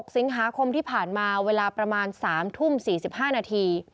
สิงหาคมที่ผ่านมาเวลาประมาณ๓ทุ่ม๔๕นาที